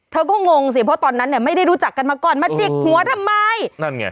เธอก็งงสิเพราะตอนนั้นเนี่ยไม่ได้รู้จักกันมาก่อนมาจิกหัวทำไมนั่นไง